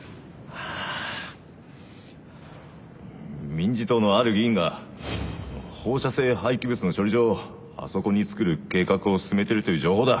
民事党のある議員が放射性廃棄物の処理場をあそこに造る計画を進めているという情報だ。